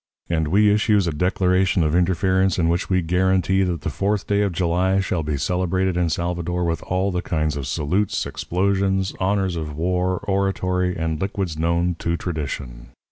And we issues a declaration of interference in which we guarantee that the fourth day of July shall be celebrated in Salvador with all the kinds of salutes, explosions, honours of war, oratory, and liquids known to tradition.